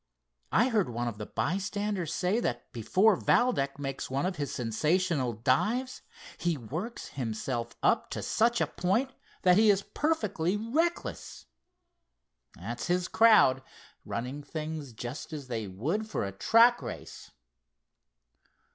I heard one of the bystanders say that before Valdec makes one of his sensational dives, he works himself up to such a point that he is perfectly reckless. That's his crowd—running things just as they would for a track race."